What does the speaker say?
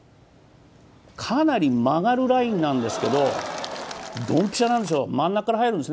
かなり曲がるラインなんですけどドンピシャなんです、真ん中から入るんです。